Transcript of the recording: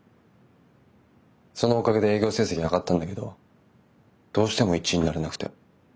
そのおかげで営業成績上がったんだけどどうしても１位になれなくて。